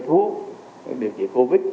thuốc điều trị covid